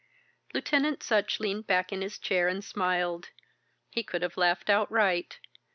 Lieutenant Sutch leaned back in his chair and smiled. He could have laughed outright.